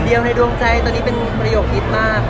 เดียวในดวงใจตอนนี้เป็นประโยคฮิตมาก